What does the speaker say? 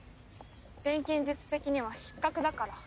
錬金術的には失格だから。